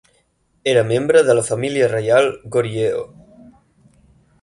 Era membre de la família reial Goryeo.